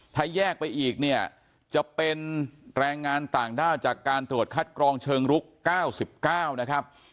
ถ้าแยกไปอีกเนี่ยจะเป็นแรงงานต่างด้าวจากการตรวจคัดกรองเชิงลุก๙๙นะครับ